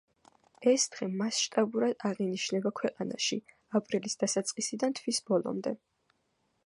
ეს დღე მასშტაბურად აღინიშნება ქვეყანაში: აპრილის დასაწყისიდან თვის ბოლომდე.